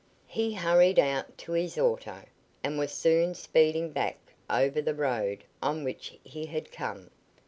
He hurried out to his auto, and was soon speeding back over the road on which he had come.